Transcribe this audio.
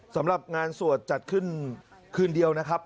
สำหรับงานสวดจัดขึ้นคืนเดียวนะครับ